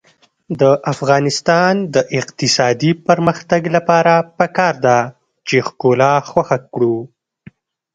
د افغانستان د اقتصادي پرمختګ لپاره پکار ده چې ښکلا خوښه کړو.